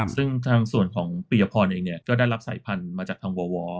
ซึ่งทางส่วนของปริยพรเองเนี่ยก็ได้รับสายพันธุ์มาจากทางวัลวอล